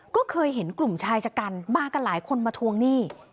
ก็เคยเห็นกลุ่มชายชะกันมากันหลายคนมาทวงหนี้